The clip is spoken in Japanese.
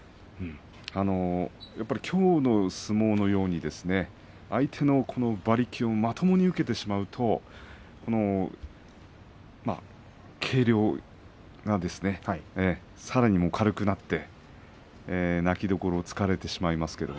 きょうの相撲のように相手の馬力をまともに受けてしまうと軽量がさらに軽くなって泣きどころを突かれてしまいます。